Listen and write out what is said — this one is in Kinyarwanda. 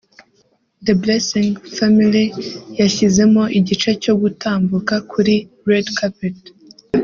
The Blessing Family yashyizemo igice cyo gutambuka kuri Red Carpet